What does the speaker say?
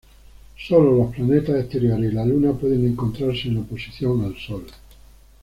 Sólo los planetas exteriores y la Luna pueden encontrarse en oposición al Sol.